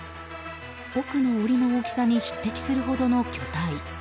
奥の檻の大きさに匹敵するほどの巨体。